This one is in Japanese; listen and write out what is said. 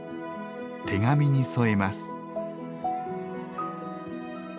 手紙に添えます。